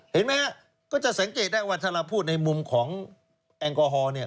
เห็นไหมฮะก็จะสังเกตได้ว่าถ้าเราพูดในมุมของแอลกอฮอล์เนี่ย